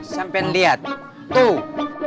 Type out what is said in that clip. sampen liat tuh